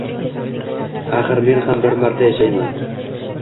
Axir men ham bir marta yashayman